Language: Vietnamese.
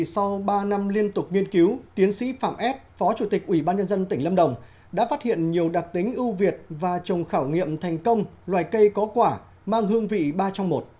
sau ba năm liên tục nghiên cứu tiến sĩ phạm ép phó chủ tịch ủy ban nhân dân tỉnh lâm đồng đã phát hiện nhiều đặc tính ưu việt và trồng khảo nghiệm thành công loài cây có quả mang hương vị ba trong một